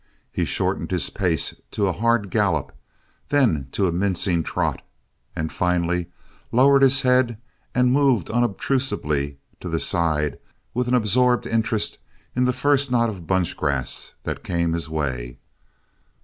He shortened his pace to a hand gallop, then to a mincing trot, and finally lowered his head and moved unobtrusively to the side with an absorbed interest in the first knot of bunch grass that came his way.